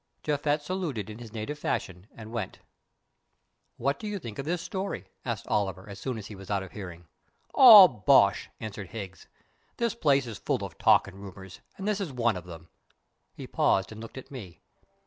Japhet saluted in his native fashion and went. "What do you think of this story?" asked Oliver, as soon as he was out of hearing. "All bosh," answered Higgs; "the place is full of talk and rumours, and this is one of them." He paused and looked at me.